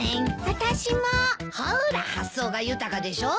ほら発想が豊かでしょ？